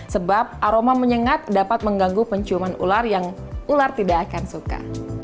sebab aroma menyengat dapat mengganggu penciuman ular yang ular tidak akan suka